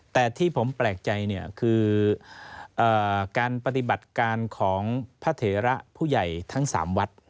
แต่ที่ผมแปลกใจเนี่ยคือการปฏิบัติการของพระเถระผู้ใหญ่ทั้ง๓วัด